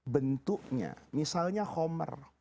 bentuknya misalnya khomer